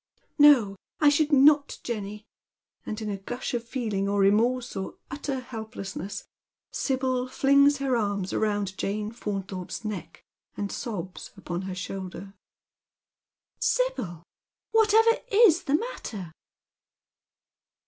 " No, I should not, Jenny ;" and, in a gush of feeling or re morse, or utter helplessness, Sibyl flings her arms round Jane Faunthorpe's neck, and sobs upon her shoulder. " Sibyl, whatever is the matter